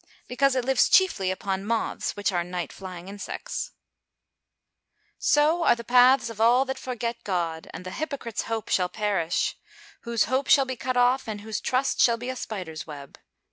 _ Because it lives chiefly upon moths, which are night flying insects. [Verse: "So are the paths of all that forget God; and the hypocrite's hope shall perish: Whose hope shall be cut off, and whose trust shall be a spider's web."